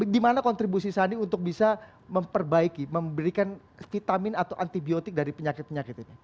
di mana kontribusi sandi untuk bisa memperbaiki memberikan vitamin atau antibiotik dari penyakit penyakit ini